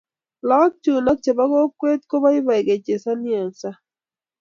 laak chuu ak chebo kokwee ko boiboen kuchezoni en sang